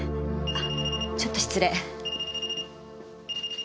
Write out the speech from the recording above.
あっちょっと失礼。